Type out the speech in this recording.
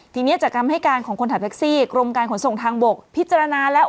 ทีนี้จากคำให้การของคนขับแท็กซี่กรมการขนส่งทางบกพิจารณาแล้ว